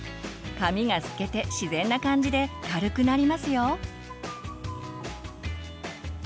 髪が透けて自然な感じで軽くなりますよ。